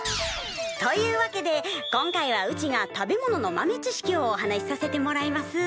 というわけで今回はうちが食べ物の豆知識をお話しさせてもらいます。